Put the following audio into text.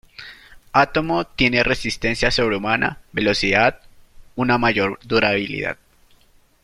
Átomo tiene resistencia sobrehumana, velocidad, una mayor durabilidad.